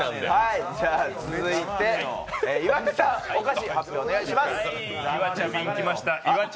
続いて岩井さん、お菓子の発表をお願いします。